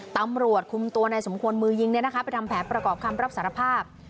ตำรวจคุมตัวนายสมควรมือยิงไปทำแผนประกอบคำรับสารภาพ